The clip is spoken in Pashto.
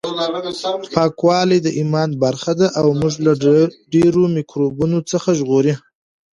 پاکوالی د ایمان برخه ده او موږ له ډېرو میکروبونو څخه ژغوري.